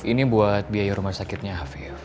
ini buat biaya rumah sakitnya hafir